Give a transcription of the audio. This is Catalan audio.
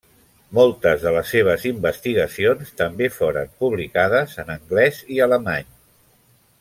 Moltes de les seves investigacions també foren publicades en anglès i alemany.